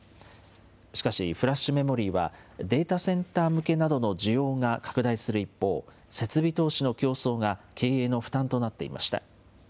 しかしフラッシュメモリーは、データセンター向けなどの需要が拡大する一方、設備投資の競争が経営の負担となっていました。